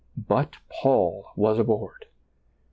But Paul was aboard !